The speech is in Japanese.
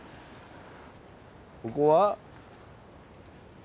ここは。